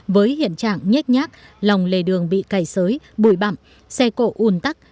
với hiện trạng nhét nhát lòng lề đường bị cày sới bùi bặm xe cộ ùn tắc